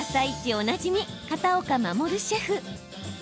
おなじみ片岡護シェフ。